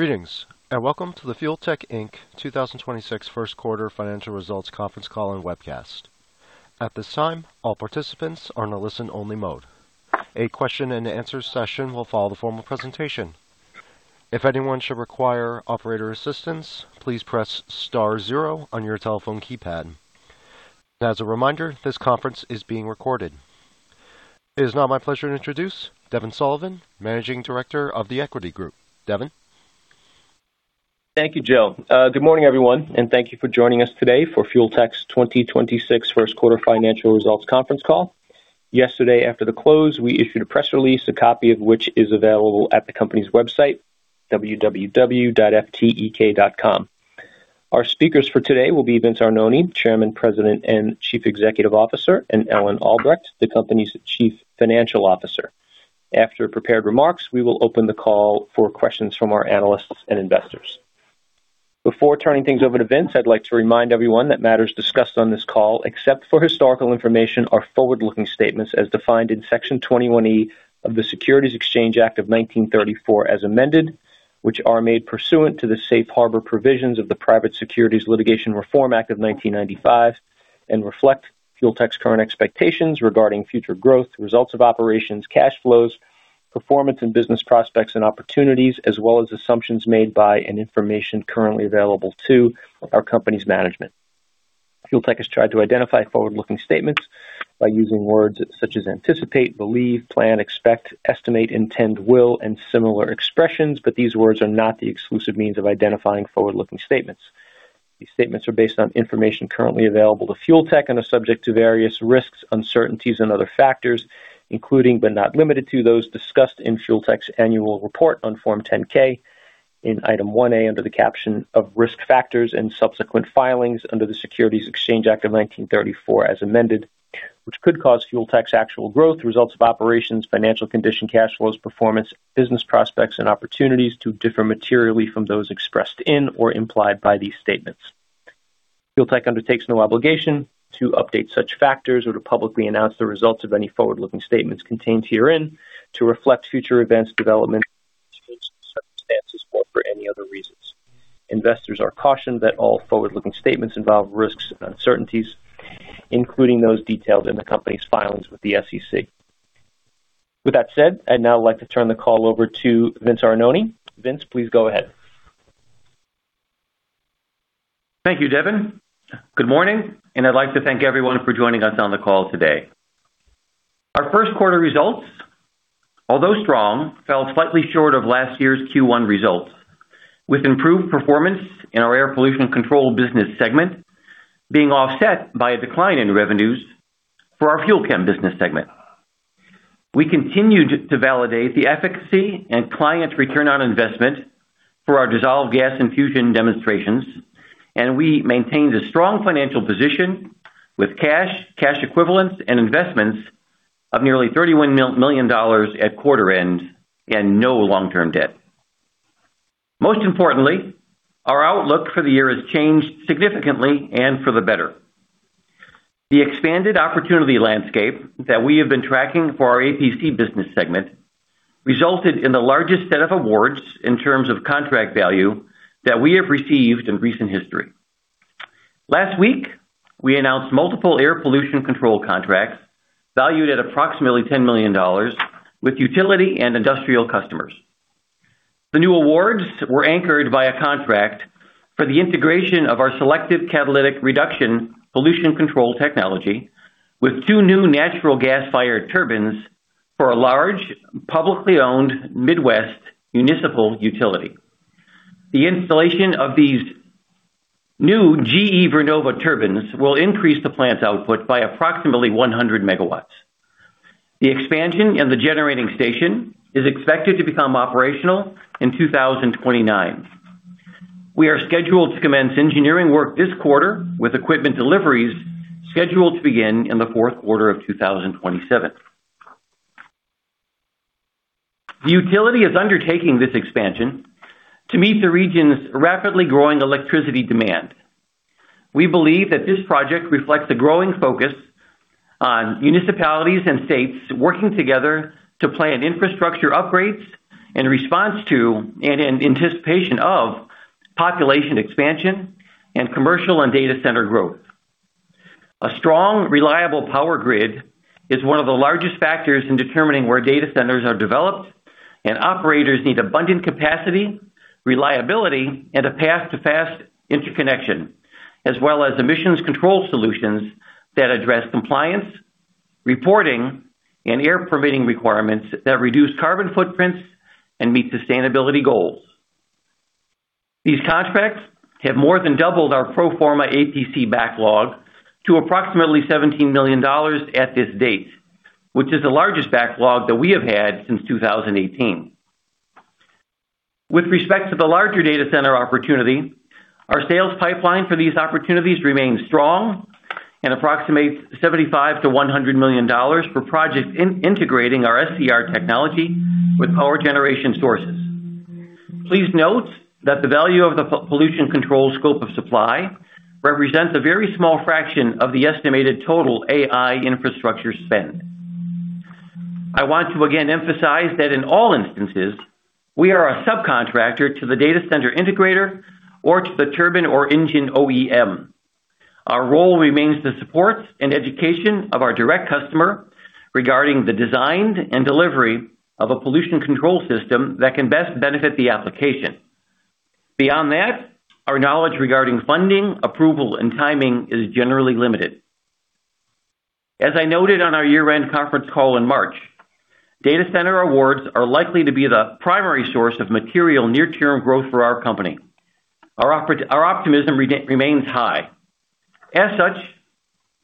Greetings, and welcome to the Fuel Tech Inc. 2026 first quarter financial results conference call and webcast. At this time, all participants are in a listen-only mode. A question and answer session will follow the formal presentation. If anyone should require operator assistance, please press star zero on your telephone keypad. As a reminder, this conference is being recorded. It is now my pleasure to introduce Devin Sullivan, Managing Director, The Equity Group. Devin. Thank you, Joe. Good morning, everyone, and thank you for joining us today for Fuel Tech's 2026 first quarter financial results conference call. Yesterday, after the close, we issued a press release, a copy of which is available at the company's website, www.ftek.com. Our speakers for today will be Vince Arnone, Chairman, President, and Chief Executive Officer, and Ellen Albrecht, the company's Chief Financial Officer. After prepared remarks, we will open the call for questions from our analysts and investors. Before turning things over to Vince, I'd like to remind everyone that matters discussed on this call, except for historical information, are forward-looking statements as defined in Section 21E of the Securities Exchange Act of 1934 as amended, which are made pursuant to the safe harbor provisions of the Private Securities Litigation Reform Act of 1995 and reflect Fuel Tech's current expectations regarding future growth, results of operations, cash flows, performance in business prospects and opportunities, as well as assumptions made by and information currently available to our company's management. Fuel Tech has tried to identify forward-looking statements by using words such as anticipate, believe, plan, expect, estimate, intend, will, and similar expressions, but these words are not the exclusive means of identifying forward-looking statements. These statements are based on information currently available to Fuel Tech and are subject to various risks, uncertainties, and other factors, including but not limited to those discussed in Fuel Tech's annual report on Form 10-K in item 1A under the caption of Risk Factors and Subsequent Filings under the Securities Exchange Act of 1934 as amended, which could cause Fuel Tech's actual growth, results of operations, financial condition, cash flows, performance, business prospects, and opportunities to differ materially from those expressed in or implied by these statements. Fuel Tech undertakes no obligation to update such factors or to publicly announce the results of any forward-looking statements contained herein to reflect future events, development, circumstances, or for any other reasons. Investors are cautioned that all forward-looking statements involve risks and uncertainties, including those detailed in the company's filings with the SEC. With that said, I'd now like to turn the call over to Vince Arnone. Vince, please go ahead. Thank you, Devin. Good morning, and I'd like to thank everyone for joining us on the call today. Our first quarter results, although strong, fell slightly short of last year's Q1 results, with improved performance in our air pollution control business segment being offset by a decline in revenues for our FUEL CHEM business segment. We continued to validate the efficacy and client return on investment for our dissolved gas infusion demonstrations, and we maintained a strong financial position with cash equivalents, and investments of nearly $31 million at quarter end and no long-term debt. Most importantly, our outlook for the year has changed significantly and for the better. The expanded opportunity landscape that we have been tracking for our APC business segment resulted in the largest set of awards in terms of contract value that we have received in recent history. Last week, we announced multiple air pollution control contracts valued at approximately $10 million with utility and industrial customers. The new awards were anchored by a contract for the integration of our selective catalytic reduction pollution control technology with two new natural gas-fired turbines for a large, publicly owned Midwest municipal utility. The installation of these new GE Vernova turbines will increase the plant's output by approximately 100 MW. The expansion in the generating station is expected to become operational in 2029. We are scheduled to commence engineering work this quarter with equipment deliveries scheduled to begin in the fourth quarter of 2027. The utility is undertaking this expansion to meet the region's rapidly growing electricity demand. We believe that this project reflects the growing focus on municipalities and states working together to plan infrastructure upgrades in response to and in anticipation of population expansion and commercial and data center growth. A strong, reliable power grid is one of the largest factors in determining where data centers are developed, and operators need abundant capacity, reliability, and a path to fast interconnection, as well as emissions control solutions that address compliance, reporting, and air permitting requirements that reduce carbon footprints and meet sustainability goals. These contracts have more than doubled our pro forma APC backlog to approximately $17 million at this date, which is the largest backlog that we have had since 2018. With respect to the larger data center opportunity, our sales pipeline for these opportunities remains strong and approximates $75 million-$100 million for projects integrating our SCR technology with power generation sources. Please note that the value of the pollution control scope of supply represents a very small fraction of the estimated total AI infrastructure spend. I want to again emphasize that in all instances, we are a subcontractor to the data center integrator or to the turbine or engine OEM. Our role remains the support and education of our direct customer regarding the design and delivery of a pollution control system that can best benefit the application. Beyond that, our knowledge regarding funding, approval, and timing is generally limited. As I noted on our year-end conference call in March, data center awards are likely to be the primary source of material near-term growth for our company. Our optimism remains high. As such,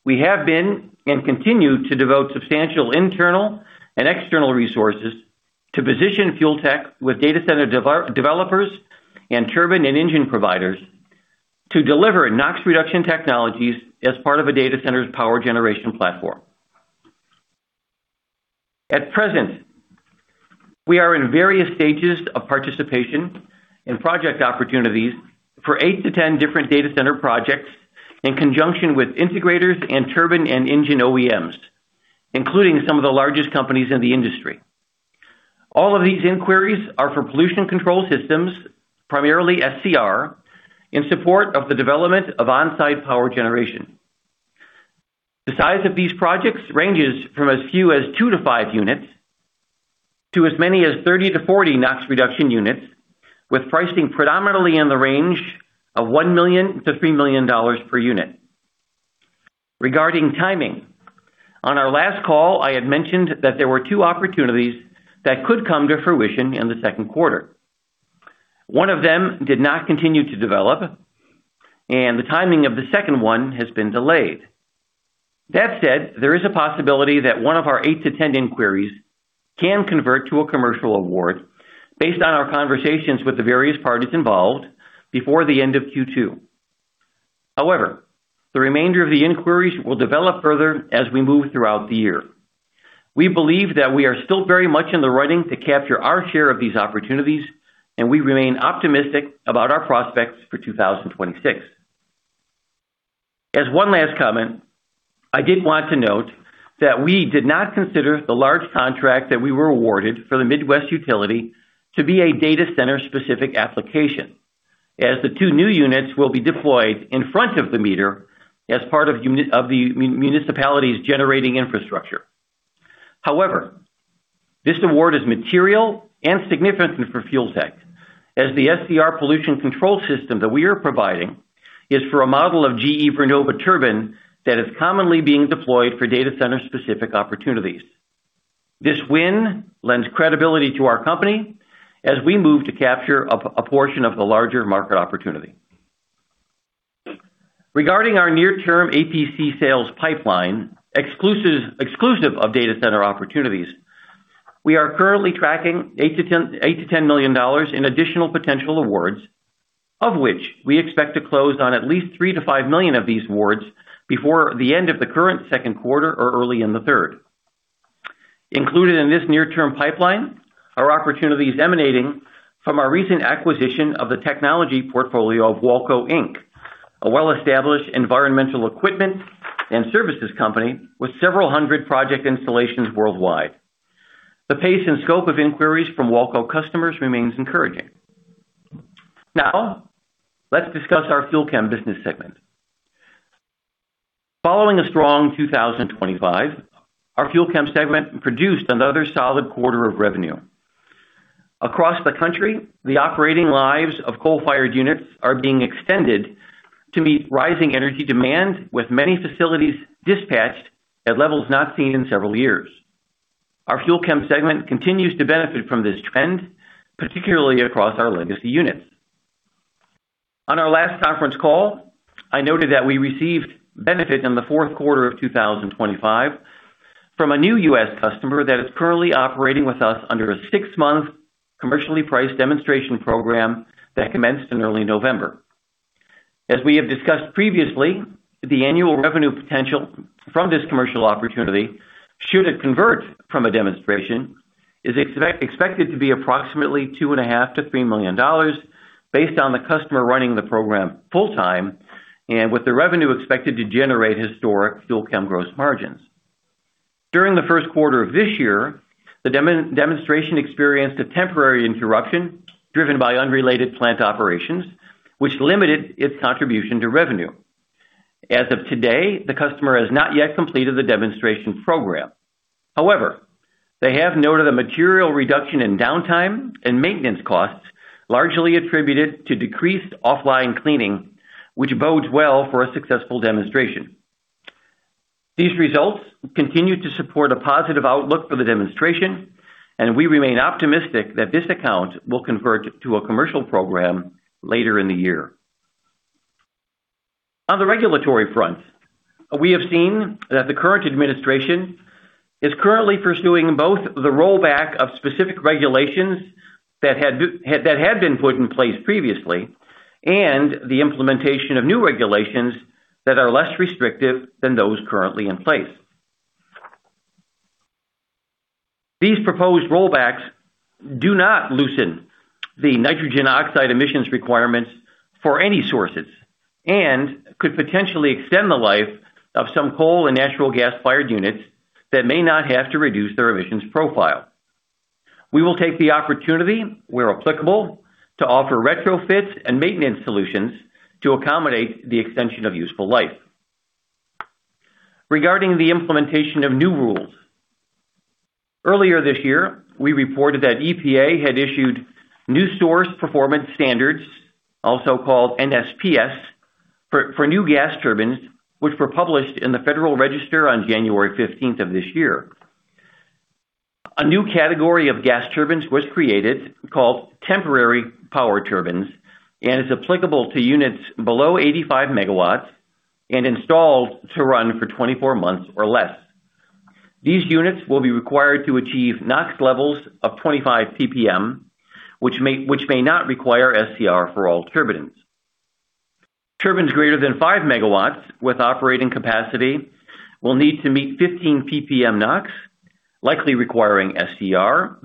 we have been and continue to devote substantial internal and external resources to position Fuel Tech with data center developers and turbine and engine providers to deliver NOx reduction technologies as part of a data center's power generation platform. At present, we are in various stages of participation in project opportunities for eight to 10 different data center projects in conjunction with integrators and turbine and engine OEMs, including some of the largest companies in the industry. All of these inquiries are for pollution control systems, primarily SCR, in support of the development of on-site power generation. The size of these projects ranges from as few as two to five units to as many as 30-40 NOx reduction units, with pricing predominantly in the range of $1 million-$3 million per unit. Regarding timing, on our last call, I had mentioned that there were two opportunities that could come to fruition in the second quarter. One of them did not continue to develop, and the timing of the second one has been delayed. That said, there is a possibility that one of our 8-10 inquiries can convert to a commercial award based on our conversations with the various parties involved before the end of Q2. However, the remainder of the inquiries will develop further as we move throughout the year. We believe that we are still very much in the running to capture our share of these opportunities, and we remain optimistic about our prospects for 2026. As one last comment, I did want to note that we did not consider the large contract that we were awarded for the Midwest Utility to be a data center-specific application, as the two new units will be deployed in front of the meter as part of the municipality's generating infrastructure. However, this award is material and significant for Fuel Tech, as the SCR pollution control system that we are providing is for a model of GE Vernova turbine that is commonly being deployed for data center-specific opportunities. This win lends credibility to our company as we move to capture a portion of the larger market opportunity. Regarding our near-term APC sales pipeline, exclusive of data center opportunities, we are currently tracking $8 million-$10 million in additional potential awards, of which we expect to close on at least $3 million-$5 million of these awards before the end of the current second quarter or early in the third. Included in this near-term pipeline are opportunities emanating from our recent acquisition of the technology portfolio of Wahlco, Inc., a well-established environmental equipment and services company with several hundred project installations worldwide. The pace and scope of inquiries from Wahlco customers remains encouraging. Now, let's discuss our FUEL CHEM business segment. Following a strong 2025, our FUEL CHEM segment produced another solid quarter of revenue. Across the country, the operating lives of coal-fired units are being extended to meet rising energy demand, with many facilities dispatched at levels not seen in several years. Our FUEL CHEM segment continues to benefit from this trend, particularly across our legacy units. On our last conference call, I noted that we received benefit in the fourth quarter of 2025 from a new U.S. customer that is currently operating with us under a six month commercially priced demonstration program that commenced in early November. As we have discussed previously, the annual revenue potential from this commercial opportunity, should it convert from a demonstration, is expected to be approximately $2.5 million-$3 million based on the customer running the program full-time and with the revenue expected to generate historic FUEL CHEM gross margins. During the first quarter of this year, the demonstration experienced a temporary interruption driven by unrelated plant operations, which limited its contribution to revenue. As of today, the customer has not yet completed the demonstration program. However, they have noted a material reduction in downtime and maintenance costs, largely attributed to decreased offline cleaning, which bodes well for a successful demonstration. These results continue to support a positive outlook for the demonstration, and we remain optimistic that this account will convert to a commercial program later in the year. On the regulatory front, we have seen that the current administration is currently pursuing both the rollback of specific regulations that had been put in place previously and the implementation of new regulations that are less restrictive than those currently in place. These proposed rollbacks do not loosen the nitrogen oxide emissions requirements for any sources, and could potentially extend the life of some coal and natural gas-fired units that may not have to reduce their emissions profile. We will take the opportunity, where applicable, to offer retrofits and maintenance solutions to accommodate the extension of useful life. Regarding the implementation of new rules. Earlier this year, we reported that EPA had issued New Source Performance Standards, also called NSPS, for new gas turbines, which were published in the Federal Register on January 15th of this year. A new category of gas turbines was created called temporary power turbines and is applicable to units below 85 MW and installed to run for 24 months or less. These units will be required to achieve NOx levels of 25 PPM, which may not require SCR for all turbines. Turbines greater than 5 MW with operating capacity will need to meet 15 PPM NOx, likely requiring SCR.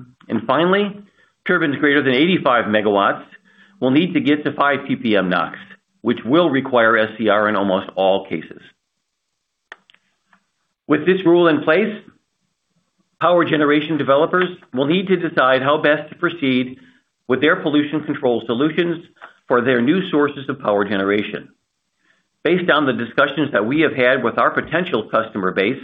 Finally, turbines greater than 85 MW will need to get to 5 PPM NOx, which will require SCR in almost all cases. With this rule in place, power generation developers will need to decide how best to proceed with their pollution control solutions for their new sources of power generation. Based on the discussions that we have had with our potential customer base,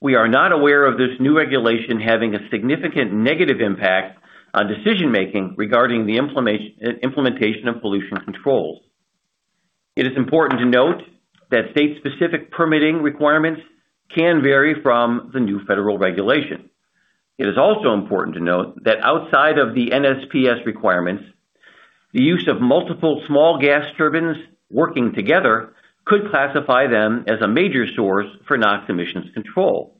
we are not aware of this new regulation having a significant negative impact on decision-making regarding the implementation of pollution control. It is important to note that state-specific permitting requirements can vary from the new federal regulation. It is also important to note that outside of the NSPS requirements, the use of multiple small gas turbines working together could classify them as a major source for NOx emissions control.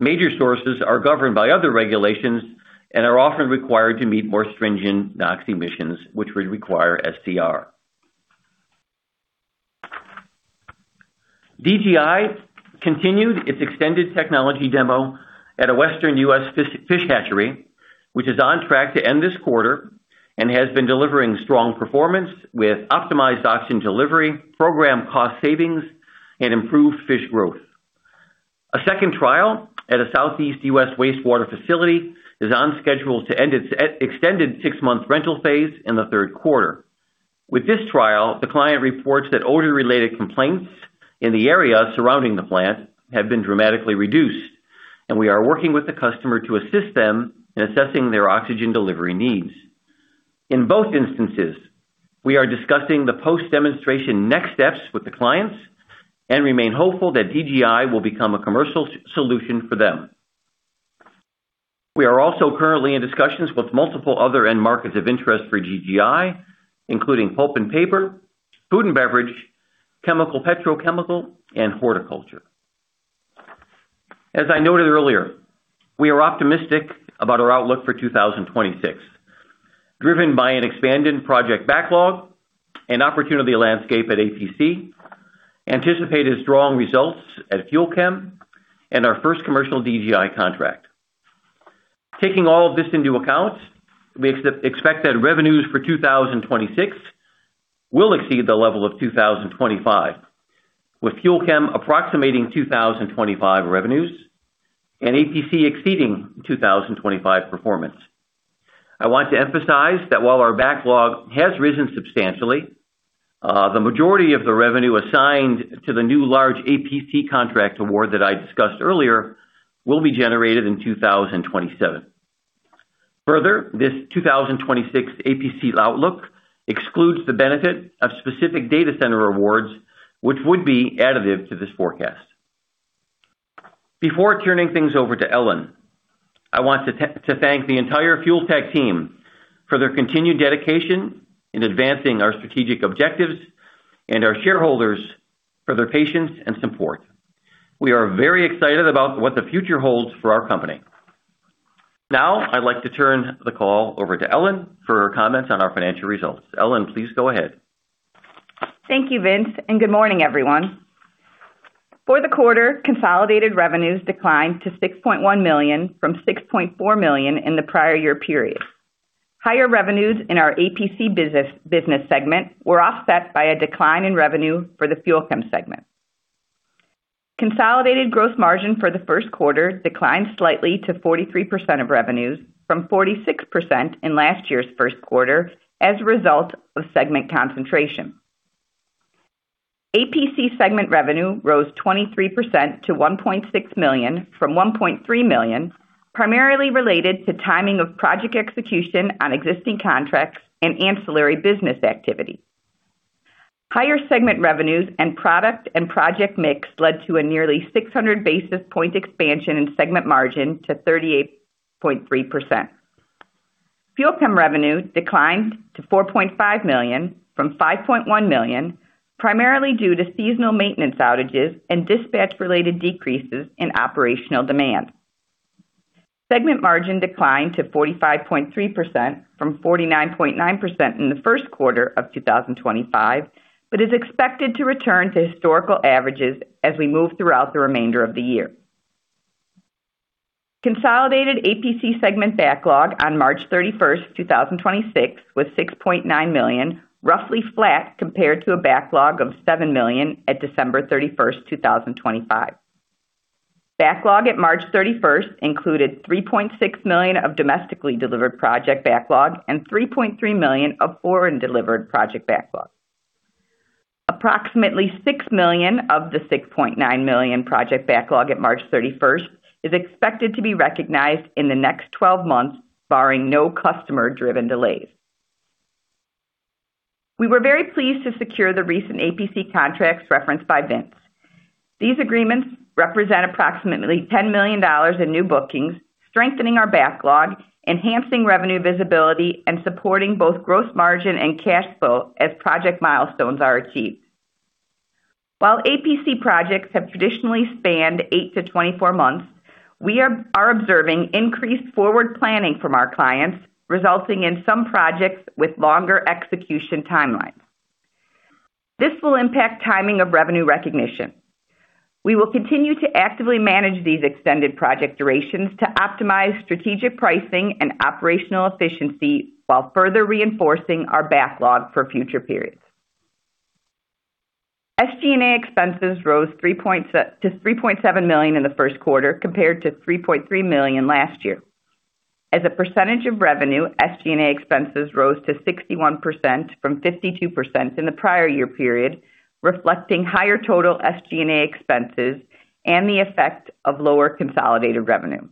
Major sources are governed by other regulations and are often required to meet more stringent NOx emissions, which would require SCR. DGI continued its extended technology demo at a Western U.S. fish hatchery, which is on track to end this quarter and has been delivering strong performance with optimized oxygen delivery, program cost savings, and improved fish growth. A second trial at a Southeast U.S. wastewater facility is on schedule to end its extended six month rental phase in the third quarter. With this trial, the client reports that odor-related complaints in the area surrounding the plant have been dramatically reduced, and we are working with the customer to assist them in assessing their oxygen delivery needs. In both instances, we are discussing the post-demonstration next steps with the clients and remain hopeful that DGI will become a commercial solution for them. We are also currently in discussions with multiple other end markets of interest for DGI, including pulp and paper, food and beverage, chemical, petrochemical, and horticulture. As I noted earlier, we are optimistic about our outlook for 2026, driven by an expanded project backlog and opportunity landscape at APC, anticipated strong results at FUEL CHEM, and our first commercial DGI contract. Taking all of this into account, we expect that revenues for 2026 will exceed the level of 2025, with FUEL CHEM approximating 2025 revenues and APC exceeding 2025 performance. I want to emphasize that while our backlog has risen substantially, the majority of the revenue assigned to the new large APC contract award that I discussed earlier will be generated in 2027. This 2026 APC outlook excludes the benefit of specific data center awards, which would be additive to this forecast. Before turning things over to Ellen, I want to thank the entire Fuel Tech team for their continued dedication in advancing our strategic objectives and our shareholders for their patience and support. We are very excited about what the future holds for our company. I'd like to turn the call over to Ellen for her comments on our financial results. Ellen, please go ahead. Thank you, Vince, and good morning, everyone. For the quarter, consolidated revenues declined to $6.1 million from $6.4 million in the prior year period. Higher revenues in our APC business segment were offset by a decline in revenue for the FUEL CHEM segment. Consolidated gross margin for the first quarter declined slightly to 43% of revenues from 46% in last year's first quarter as a result of segment concentration. APC segment revenue rose 23% to $1.6 million from $1.3 million, primarily related to timing of project execution on existing contracts and ancillary business activity. Higher segment revenues and product and project mix led to a nearly 600 basis point expansion in segment margin to 38.3%. FUEL CHEM revenue declined to $4.5 million from $5.1 million, primarily due to seasonal maintenance outages and dispatch-related decreases in operational demand. Segment margin declined to 45.3% from 49.9% in the first quarter of 2025, but is expected to return to historical averages as we move throughout the remainder of the year. Consolidated APC segment backlog on March 31st, 2026, was $6.9 million, roughly flat compared to a backlog of $7 million at December 31st, 2025. Backlog at March 31st included $3.6 million of domestically delivered project backlog and $3.3 million of foreign delivered project backlog. Approximately $6 million of the $6.9 million project backlog at March 31st is expected to be recognized in the next 12 months, barring no customer-driven delays. We were very pleased to secure the recent APC contracts referenced by Vince. These agreements represent approximately $10 million in new bookings, strengthening our backlog, enhancing revenue visibility, and supporting both gross margin and cash flow as project milestones are achieved. While APC projects have traditionally spanned 8-24 months, we are observing increased forward planning from our clients, resulting in some projects with longer execution timelines. This will impact timing of revenue recognition. We will continue to actively manage these extended project durations to optimize strategic pricing and operational efficiency while further reinforcing our backlog for future periods. SG&A expenses rose to $3.7 million in the first quarter compared to $3.3 million last year. As a percentage of revenue, SG&A expenses rose to 61% from 52% in the prior year period, reflecting higher total SG&A expenses and the effect of lower consolidated revenue.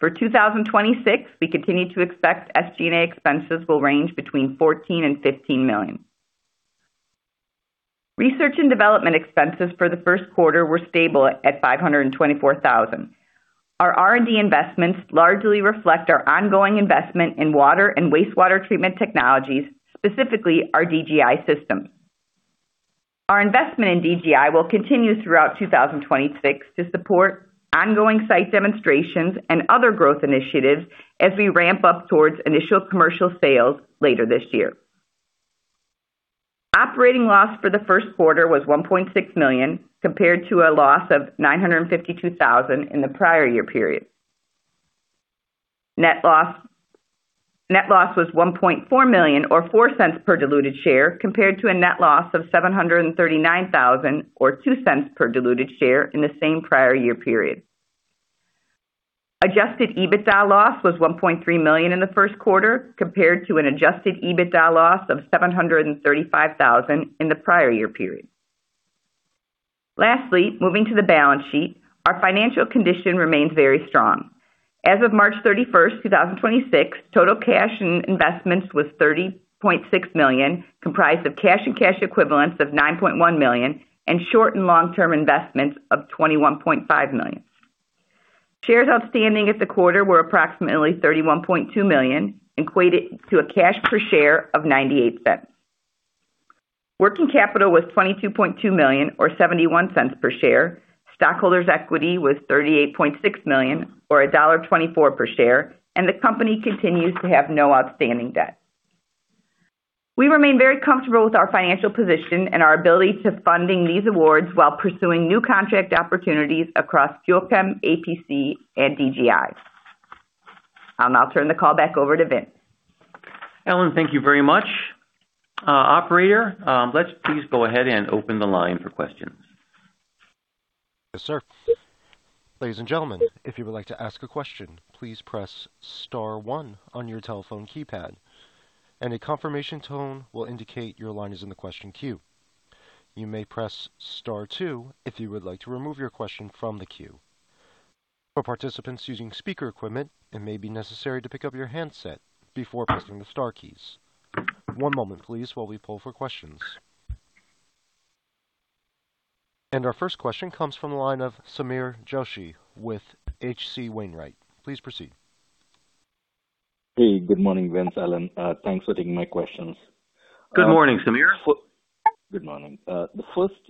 For 2026, we continue to expect SG&A expenses will range between $14 million and $15 million. Research and development expenses for the first quarter were stable at $524,000. Our R&D investments largely reflect our ongoing investment in water and wastewater treatment technologies, specifically our DGI system. Our investment in DGI will continue throughout 2026 to support ongoing site demonstrations and other growth initiatives as we ramp up towards initial commercial sales later this year. Operating loss for the first quarter was $1.6 million, compared to a loss of $952,000 in the prior year period. Net loss was $1.4 million or $0.04 per diluted share, compared to a net loss of $739,000 or $0.02 per diluted share in the same prior year period. Adjusted EBITDA loss was $1.3 million in the first quarter, compared to an adjusted EBITDA loss of $735,000 in the prior year period. Lastly, moving to the balance sheet, our financial condition remains very strong. As of March 31st, 2026, total cash and investments was $30.6 million, comprised of cash and cash equivalents of $9.1 million and short and long-term investments of $21.5 million. Shares outstanding at the quarter were approximately 31.2 million and equated to a cash per share of $0.98. Working capital was $22.2 million or $0.71 per share. Stockholders equity was $38.6 million or $1.24 per share, and the company continues to have no outstanding debt. We remain very comfortable with our financial position and our ability to funding these awards while pursuing new contract opportunities across FUEL CHEM, APC and DGI. I'll turn the call back over to Vince. Ellen, thank you very much. Operator, let's please go ahead and open the line for questions. Our first question comes from the line of Sameer Joshi with H.C. Wainwright. Please proceed. Hey, good morning, Vince. Ellen, thanks for taking my questions. Good morning, Sameer. Good morning. The first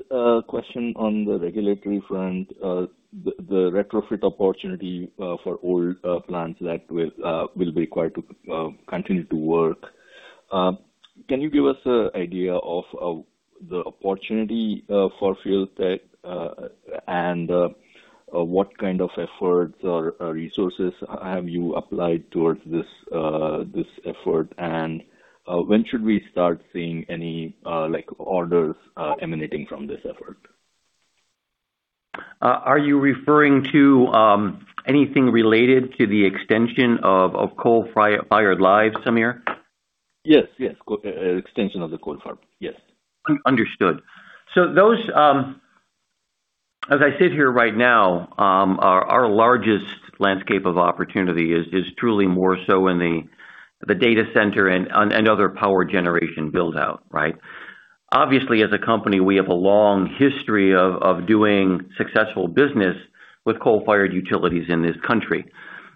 question on the regulatory front, the retrofit opportunity for old plants that will be required to continue to work. Can you give us a idea of the opportunity for Fuel Tech and what kind of efforts or resources have you applied towards this effort? When should we start seeing any like orders emanating from this effort? Are you referring to anything related to the extension of coal-fired lives, Sameer? Yes. Yes. Extension of the coal fire. Yes. Those, as I sit here right now, our largest landscape of opportunity is truly more so in the data center and other power generation build-out, right? Obviously, as a company, we have a long history of doing successful business with coal-fired utilities in this country.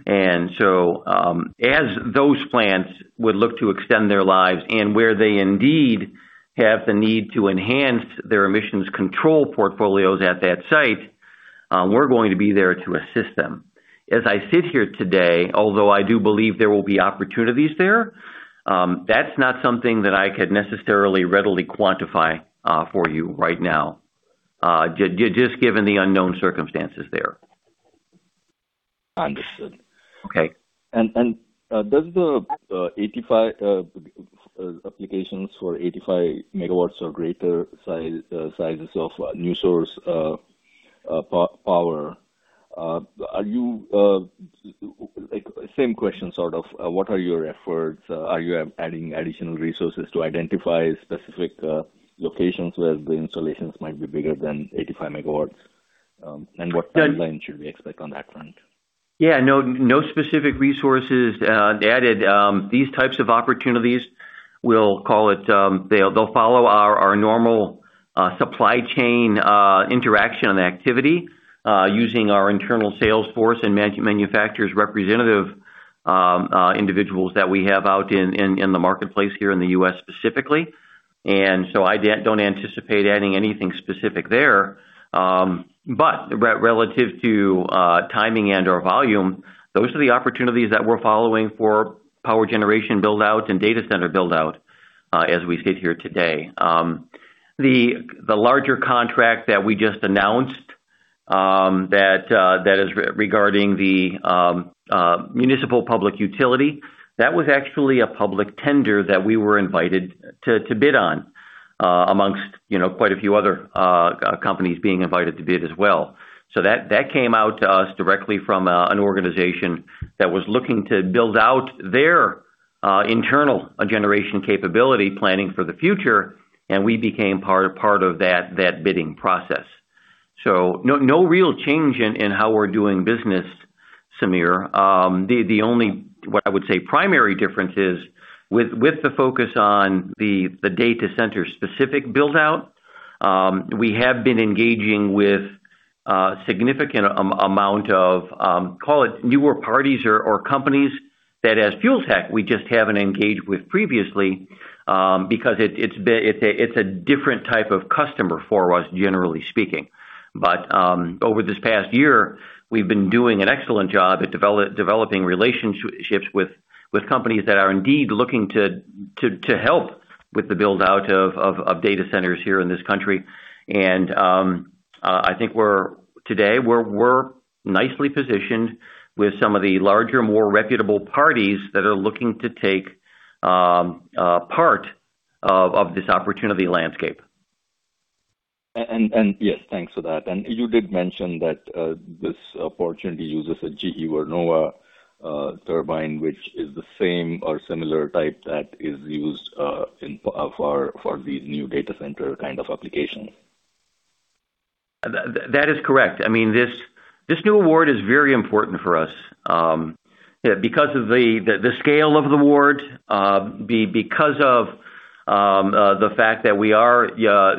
As those plants would look to extend their lives and where they indeed have the need to enhance their emissions control portfolios at that site, we're going to be there to assist them. As I sit here today, although I do believe there will be opportunities there, that's not something that I could necessarily readily quantify for you right now, just given the unknown circumstances there. Understood. Okay. Does the 85 applications for 85 MW or greater size sizes of new source power? Like same question sort of, what are your efforts? Are you adding additional resources to identify specific locations where the installations might be bigger than 85 MW? What timeline should we expect on that front? Yeah, no specific resources added. These types of opportunities, we'll call it, they'll follow our normal supply chain interaction and activity, using our internal sales force and manufacturers representative individuals that we have out in the marketplace here in the U.S. specifically. I don't anticipate adding anything specific there. But relative to timing and/or volume, those are the opportunities that we're following for power generation build-out and data center build-out, as we sit here today. The larger contract that we just announced, that is regarding the municipal public utility, that was actually a public tender that we were invited to bid on, amongst, you know, quite a few other companies being invited to bid as well. That came out to us directly from an organization that was looking to build out their internal generation capability planning for the future, and we became part of that bidding process. No real change in how we're doing business, Sameer. The only, what I would say primary difference is with the focus on the data center specific build-out, we have been engaging with significant amount of, call it newer parties or companies that as Fuel Tech we just haven't engaged with previously, because It's a different type of customer for us, generally speaking. Over this past year, we've been doing an excellent job at developing relationships with companies that are indeed looking to help with the build-out of data centers here in this country. Today we're nicely positioned with some of the larger, more reputable parties that are looking to take a part of this opportunity landscape. Yes, thanks for that. You did mention that this opportunity uses a GE Vernova turbine, which is the same or similar type that is used in for these new data center kind of applications. That is correct. I mean, this new award is very important for us because of the scale of the award, because of the fact that we are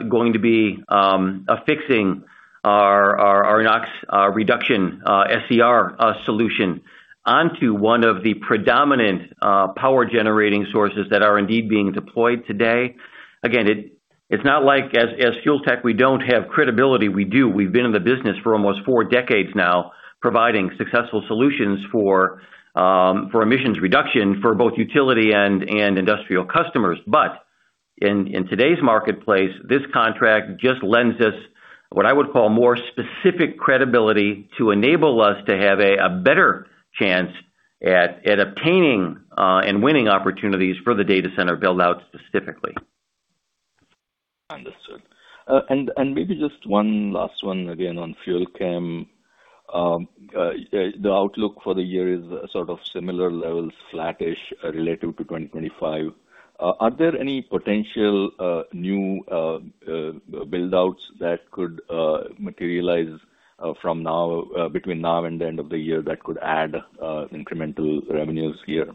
going to be affixing our NOx reduction SCR solution onto one of the predominant power generating sources that are indeed being deployed today. It's not like as Fuel Tech, we don't have credibility. We do. We've been in the business for almost four decades now, providing successful solutions for emissions reduction for both utility and industrial customers. In today's marketplace, this contract just lends us what I would call more specific credibility to enable us to have a better chance at obtaining and winning opportunities for the data center build out specifically. Understood. Maybe just one last one again on FUEL CHEM. The outlook for the year is sort of similar levels, flattish, relative to 2025. Are there any potential new build-outs that could materialize from now between now and the end of the year that could add incremental revenues here?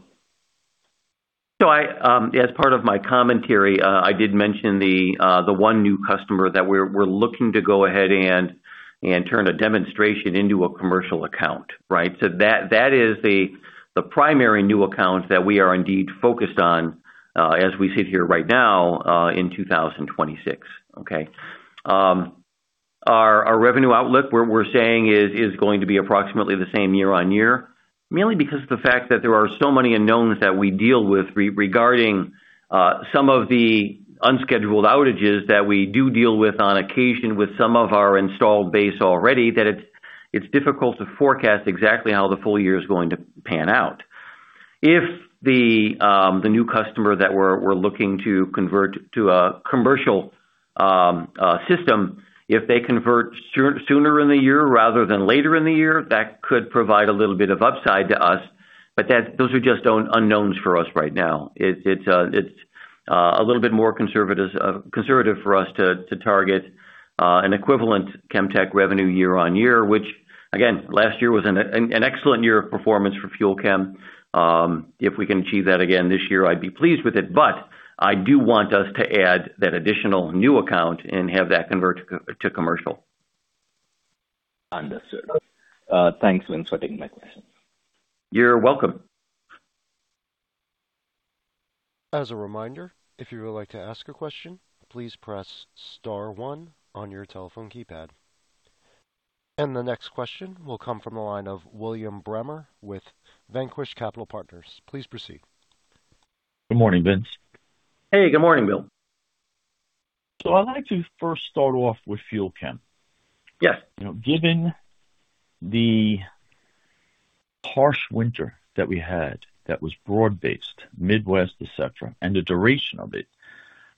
I, as part of my commentary, I did mention the one new customer that we're looking to go ahead and turn a demonstration into a commercial account. That is the primary new account that we are indeed focused on, as we sit here right now, in 2026. Okay. Our revenue outlook we're saying is going to be approximately the same year-on-year, mainly because of the fact that there are so many unknowns that we deal with regarding some of the unscheduled outages that we do deal with on occasion with some of our installed base already, that it's difficult to forecast exactly how the full year is going to pan out. If the new customer that we're looking to convert to a commercial system, if they convert sooner in the year rather than later in the year, that could provide a little bit of upside to us. Those are just unknowns for us right now. It's a little bit more conservative for us to target an equivalent FUEL CHEM revenue year on year, which again, last year was an excellent year of performance for FUEL CHEM. If we can achieve that again this year, I'd be pleased with it. I do want us to add that additional new account and have that convert to commercial. Understood. Thanks, Vince, for taking my questions. You're welcome. As a reminder, if you would like to ask a question, please press star one on your telephone keypad. The next question will come from the line of William Bremer with Vanquish Capital Partners. Please proceed. Good morning, Vince. Hey, good morning, Bill. I'd like to first start off with FUEL CHEM. Yes. You know, given the harsh winter that we had that was broad-based, Midwest, et cetera, and the duration of it,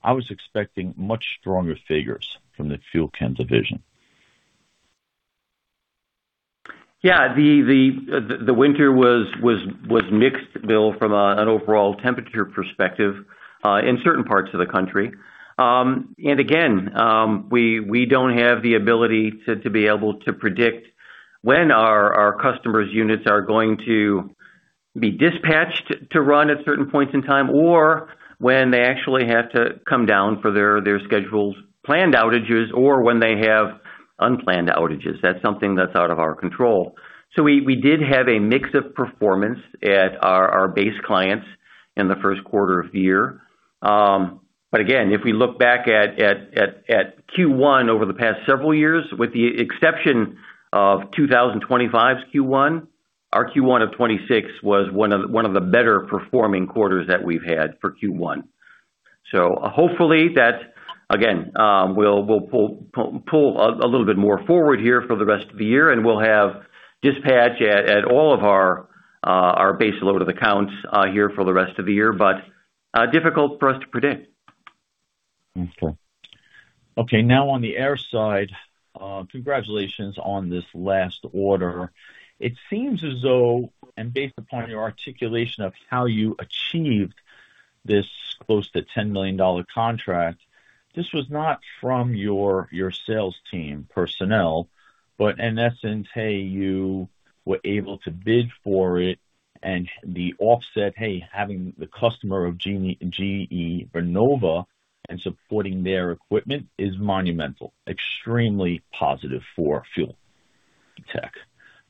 I was expecting much stronger figures from the FUEL CHEM division. Yeah. The winter was mixed, Bill, from an overall temperature perspective in certain parts of the country. Again, we don't have the ability to be able to predict when our customers' units are going to be dispatched to run at certain points in time or when they actually have to come down for their scheduled planned outages or when they have unplanned outages. That's something that's out of our control. We did have a mix of performance at our base clients in the first quarter of the year. Again, if we look back at Q1 over the past several years, with the exception of 2025's Q1, our Q1 of 2026 was one of the better performing quarters that we've had for Q1. Hopefully that, again, we'll pull a little bit more forward here for the rest of the year, and we'll have dispatch at all of our base load of accounts here for the rest of the year, but difficult for us to predict. Okay. Now on the air side, congratulations on this last order. It seems as though, and based upon your articulation of how you achieved this close to $10 million contract, this was not from your sales team personnel, but in essence, you were able to bid for it and the offset, having the customer of GE Vernova and supporting their equipment is monumental, extremely positive for Fuel Tech.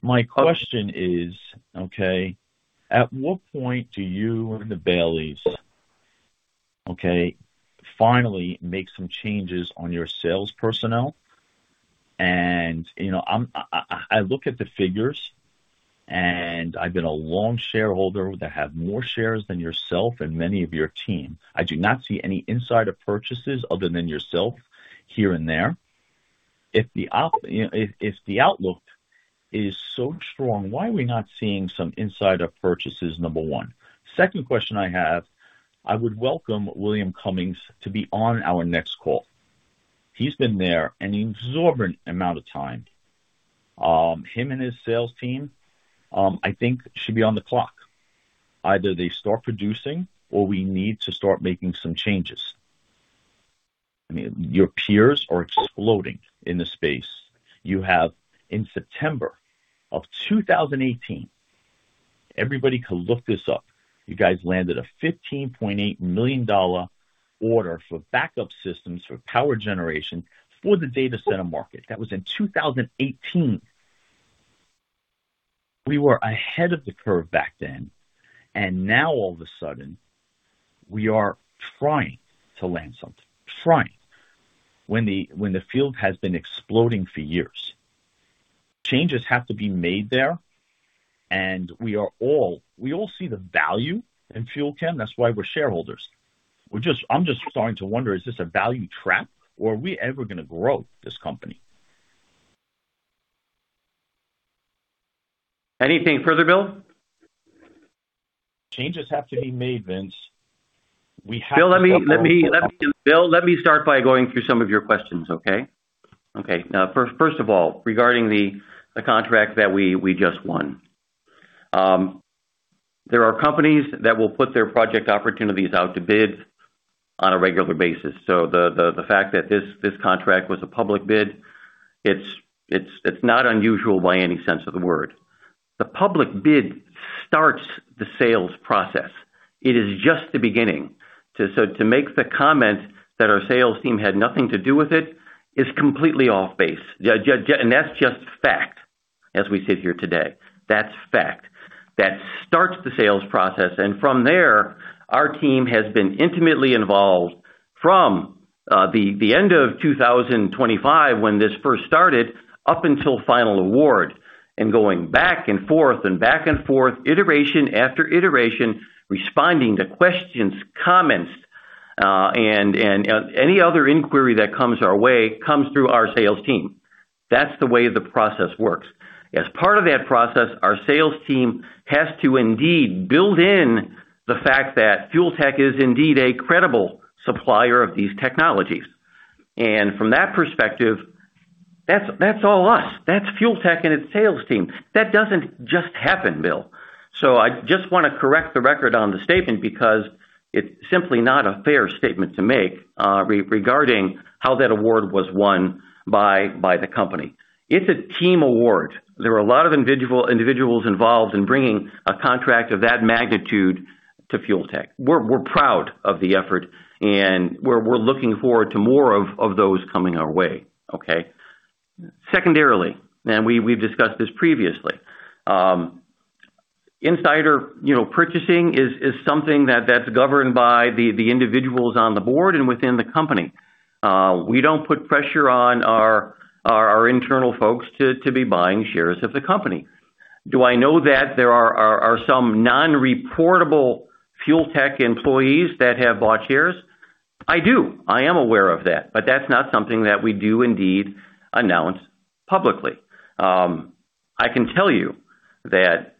My question is, at what point do you and the Baileys finally make some changes on your sales personnel? You know, I look at the figures, I've been a long shareholder that have more shares than yourself and many of your team. I do not see any insider purchases other than yourself here and there. You know, if the outlook is so strong, why are we not seeing some insider purchases? Number 1. Second question I have, I would welcome William Cummings to be on our next call. He's been there an exorbitant amount of time. Him and his sales team, I think should be on the clock. Either they start producing or we need to start making some changes. I mean, your peers are exploding in the space. You have in September of 2018, everybody can look this up, you guys landed a $15.8 million order for backup systems for power generation for the data center market. That was in 2018. We were ahead of the curve back then, and now all of a sudden we are trying to land something. Trying. When the field has been exploding for years. Changes have to be made there. We all see the value in FUEL CHEM. That's why we're shareholders. I'm just starting to wonder, is this a value trap or are we ever gonna grow this company? Anything further, Bill? Changes have to be made, Vince. Bill, let me start by going through some of your questions, okay? Okay. First of all, regarding the contract that we just won. There are companies that will put their project opportunities out to bid on a regular basis. The fact that this contract was a public bid, it's not unusual by any sense of the word. The public bid starts the sales process. It is just the beginning. To make the comment that our sales team had nothing to do with it is completely off base. Just, that's just fact as we sit here today. That's fact. That starts the sales process, and from there our team has been intimately involved from the end of 2025 when this first started up until final award and going back and forth and back and forth, iteration after iteration, responding to questions, comments, and any other inquiry that comes our way comes through our sales team. That's the way the process works. As part of that process, our sales team has to indeed build in the fact that Fuel Tech is indeed a credible supplier of these technologies. From that perspective, that's all us. That's Fuel Tech and its sales team. That doesn't just happen, Bill. I just wanna correct the record on the statement because it's simply not a fair statement to make regarding how that award was won by the company. It's a team award. There were a lot of individuals involved in bringing a contract of that magnitude to Fuel Tech. We're proud of the effort and we're looking forward to more of those coming our way, okay? Secondarily, we've discussed this previously, insider, you know, purchasing is something that's governed by the individuals on the board and within the company. We don't put pressure on our internal folks to be buying shares of the company. Do I know that there are some non-reportable Fuel Tech employees that have bought shares? I do. I am aware of that's not something that we do indeed announce publicly. I can tell you that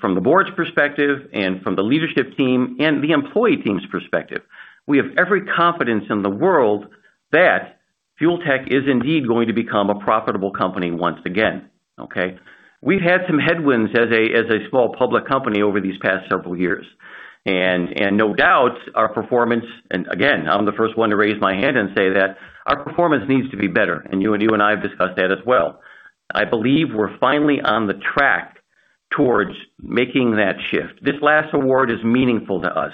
from the board's perspective and from the leadership team and the employee team's perspective, we have every confidence in the world that Fuel Tech is indeed going to become a profitable company once again, okay? We've had some headwinds as a, as a small public company over these past several years. No doubt our performance, and again, I'm the first one to raise my hand and say that our performance needs to be better. You and I have discussed that as well. I believe we're finally on the track towards making that shift. This last award is meaningful to us,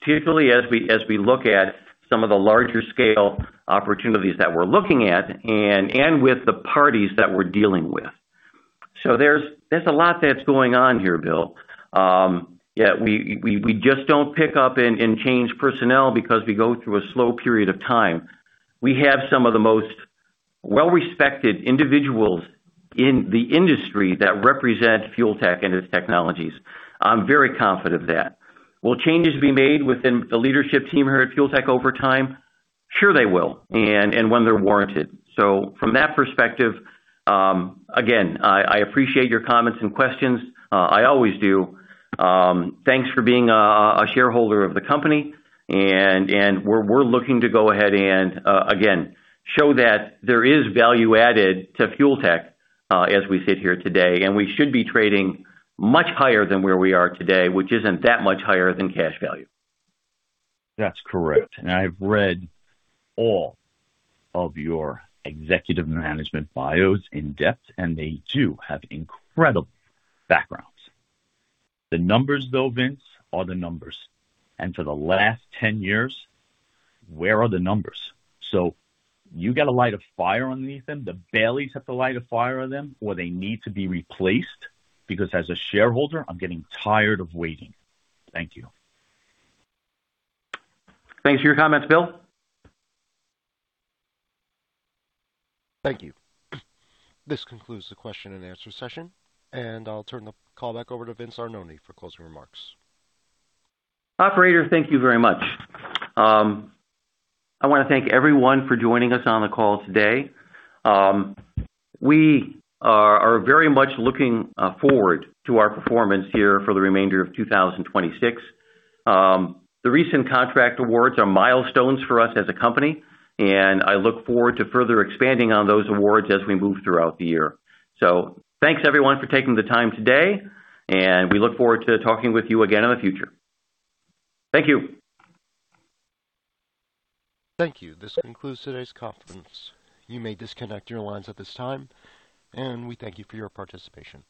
particularly as we look at some of the larger scale opportunities that we're looking at and with the parties that we're dealing with. There's a lot that's going on here, Bill. Yeah, we just don't pick up and change personnel because we go through a slow period of time. We have some of the most well-respected individuals in the industry that represent Fuel Tech and its technologies. I'm very confident of that. Will changes be made within the leadership team here at Fuel Tech over time? Sure, they will, and when they're warranted. From that perspective, again, I appreciate your comments and questions. I always do. Thanks for being a shareholder of the company and we're looking to go ahead and again, show that there is value added to Fuel Tech as we sit here today, and we should be trading much higher than where we are today, which isn't that much higher than cash value. That's correct. I've read all of your executive management bios in depth, and they do have incredible backgrounds. The numbers though, Vince, are the numbers. For the last 10 years, where are the numbers? You gotta light a fire underneath them. The Baileys have to light a fire on them, or they need to be replaced because as a shareholder, I'm getting tired of waiting. Thank you. Thanks for your comments, Bill. Thank you. This concludes the question and answer session, and I'll turn the call back over to Vince Arnone for closing remarks. Operator, thank you very much. I wanna thank everyone for joining us on the call today. We are very much looking forward to our performance here for the remainder of 2026. The recent contract awards are milestones for us as a company, and I look forward to further expanding on those awards as we move throughout the year. Thanks everyone for taking the time today, and we look forward to talking with you again in the future. Thank you. Thank you. This concludes today's conference. You may disconnect your lines at this time, and we thank you for your participation.